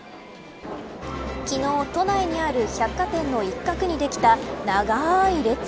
昨日、都内にある百貨店の一角にできた長い行列。